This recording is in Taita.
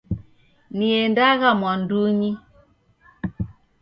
Niendagha mwandunyi.